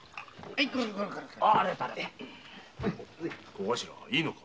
小頭いいのか？